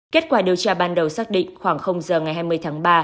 kết quả điều tra ban đầu xác định khoảng giờ ngày hai mươi tháng ba